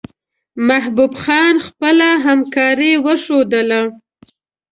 محبوب خان خپله همکاري وښودله.